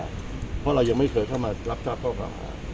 เพราะเรายังไม่เคยเข้ามารับทราบข้อเก่าหา